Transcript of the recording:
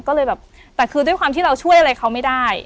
ก็เลยแบบแต่คือด้วยความที่เราช่วยอะไรเขาไม่ได้